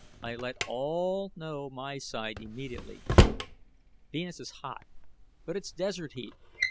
I let all know my side immediately. "Venus is hot, but it's desert heat.